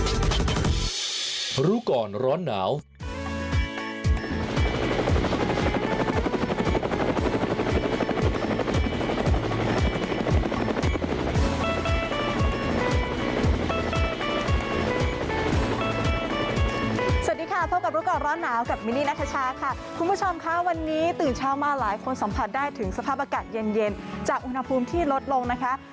สวัสดีค่ะพบกับลูกก่อนร้อนหนาวกับมินี่นาธิชาค่ะคุณผู้ชมค่ะวันนี้ตื่นเช้ามาหลายคนสัมผัสได้ถึงสภาพอากาศเย็นเย็นจากอุณหภูมิที่ร้อนหนาวกับมินี่นาธิชาค่ะคุณผู้ชมค่ะวันนี้ตื่นเช้ามาหลายคนสัมผัสได้ถึงสภาพอากาศเย็นเย็นจากอุณหภูมิที่ร้อนหนาวกับมินี่นาธิชาค่